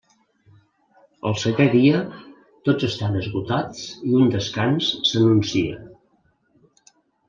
El setè dia tots estan esgotats i un descans s'anuncia.